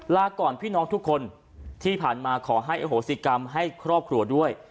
ลาก่อนพี่น้องทุกคนที่ผ่านมาขอให้อโหสิกรรมให้ครอบครัวด้วย